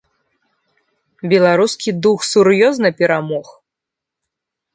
Беларускі дух сур'ёзна перамог!